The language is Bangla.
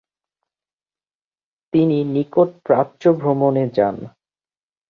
তিনি নিকট প্রাচ্য ভ্রমণে যান।